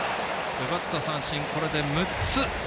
奪った三振、これで６つ。